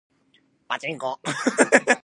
パチンコ